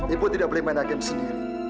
ibu tidak boleh main main game sendiri